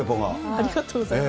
ありがとうございます。